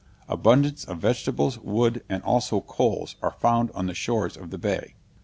Abundance of vegetables, wood, and also coals, are found on the shores of the bay.